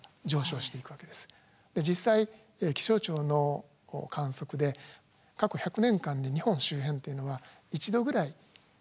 実際気象庁の観測で過去１００年間で日本周辺っていうのは１度ぐらいこう上がってるわけですね